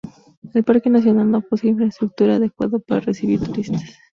El parque nacional no posee infraestructura adecuada para recibir turistas.